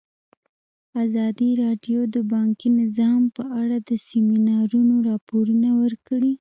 ازادي راډیو د بانکي نظام په اړه د سیمینارونو راپورونه ورکړي.